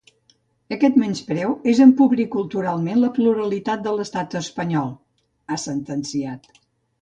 Aquest menyspreu és empobrir culturalment la pluralitat de l’estat espanyol, ha sentenciat.